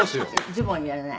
「ズボンじゃない」